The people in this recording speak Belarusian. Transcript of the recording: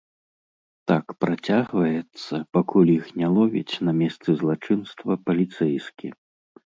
Так працягваецца, пакуль іх не ловіць на месцы злачынства паліцэйскі.